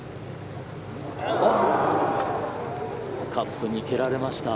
カップに蹴られました。